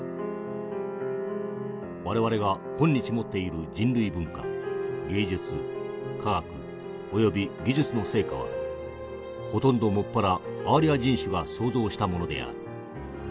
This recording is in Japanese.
「我々が今日持っている人類文化芸術科学および技術の成果はほとんど専らアーリア人種が創造したものである。